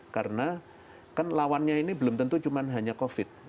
karena kan lawannya ini belum tentu hanya covid